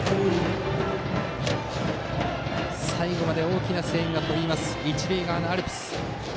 最後まで大きな声援が飛ぶ一塁側のアルプス。